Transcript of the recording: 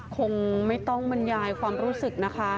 คงไม่ต้องบรรยายความรู้สึกนะคะ